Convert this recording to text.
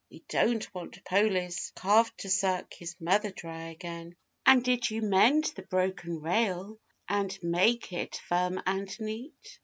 We don't want Poley's calf to suck His mother dry again. And did you mend the broken rail And make it firm and neat?